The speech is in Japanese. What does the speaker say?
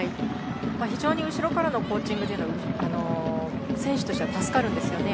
非常に後ろからのコーチングは選手としては助かるんですね。